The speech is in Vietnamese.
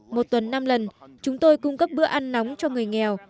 một tuần năm lần chúng tôi cung cấp bữa ăn nóng cho người nghèo